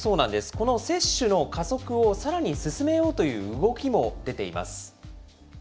この接種の加速をさらに進めようという動きも出ています。